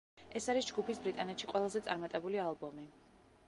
ეს არის ჯგუფის ბრიტანეთში ყველაზე წარმატებული ალბომი.